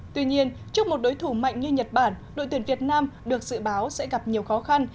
tuy nhiên trước một đối thủ mạnh như nhật bản đội tuyển việt nam được dự báo sẽ gặp nhiều khó khăn